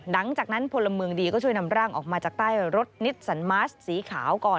หลังจากนั้นพลเมืองดีก็ช่วยนำร่างออกมาจากใต้รถนิสสันมาสสีขาวก่อน